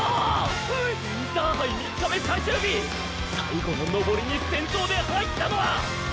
インターハイ３日目最終日最後の登りに先頭で入ったのはーー！